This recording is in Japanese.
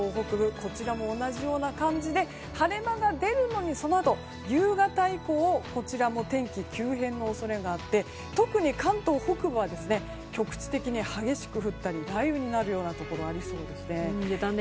こちらも同じような感じで晴れ間が出るのに、そのあと夕方以降はこちらも天気急変の恐れがあって特に関東北部は局地的に激しく降ったり雷雨になるところがありそうですね。